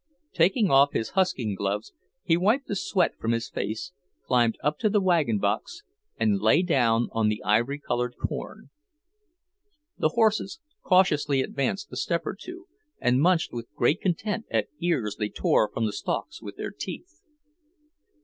Taking off his husking gloves, he wiped the sweat from his face, climbed up to the wagon box, and lay down on the ivory coloured corn. The horses cautiously advanced a step or two, and munched with great content at ears they tore from the stalks with their teeth.